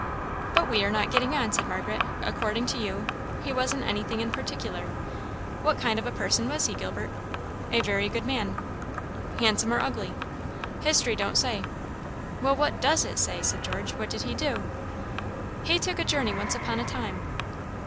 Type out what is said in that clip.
"But we are not getting on," said Margaret. "According to you, he wasn't anything in particular; what kind of a person was he, Gilbert?" "A very good man." "Handsome or ugly?" "History don't say." "Well, what does it say?" said George "what did he do?" "He took a journey once upon a time."